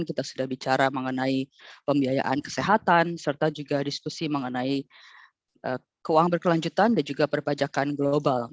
kita sudah bicara mengenai pembiayaan kesehatan serta juga diskusi mengenai keuangan berkelanjutan dan juga perpajakan global